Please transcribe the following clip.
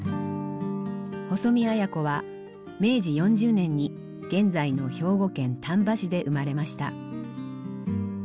細見綾子は明治４０年に現在の兵庫県丹波市で生まれました。